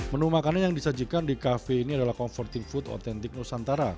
menu makanan yang disajikan di cafe ini adalah comforting food otentik nusantara